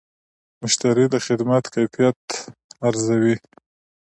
مشتری د خدمت کیفیت ارزوي.